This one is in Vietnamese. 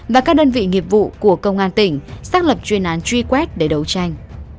và các đơn vị nghiệp vụ của công an tỉnh xác lập chuyên án truy quét để đấu tranh